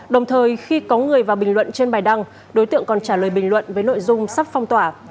đồng thời khi có người vào bình luận trên bài đăng đối tượng còn trả lời bình luận với nội dung sắp phong tỏa